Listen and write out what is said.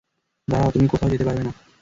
দাঁড়াও, তুমি কোথাও যেতে পারবে না।